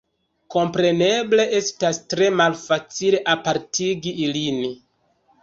Kompreneble estas tre malfacile apartigi ilin.